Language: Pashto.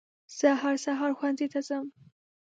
زه هر سهار ښوونځي ته ځم.